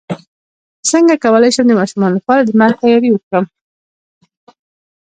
څنګه کولی شم د ماشومانو لپاره د مرګ تیاری وکړم